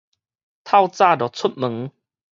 透早就出門